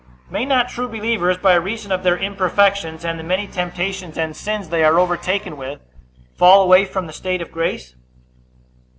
May not true believers, by reason of their imperfections, and the many temptations and sins they are overtaken with, fall away from the state of grace?